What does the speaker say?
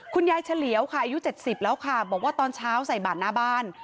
คุณยายเฉลียวค่ะอายุเจ็ดสิบแล้วค่ะบอกว่าตอนเช้าใส่บาดหน้าบ้าน